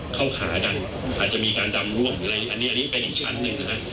เข้าขากันอาจจะมีการดำร่วงหรืออะไรอันนี้อันนี้เป็นอีกชั้นหนึ่งใช่ไหม